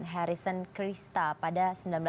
harrison krista pada seribu sembilan ratus delapan puluh dua